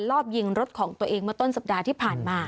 รอบยิงรถของตัวเองเมื่อต้นสัปดาห์ที่ผ่านมา